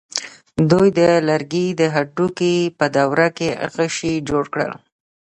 دوی د لرګي او هډوکي په دوره کې غشی جوړ کړ.